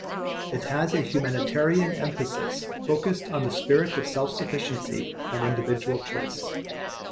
It has a humanitarian emphasis focused on the "spirit of self-sufficiency and individual choice".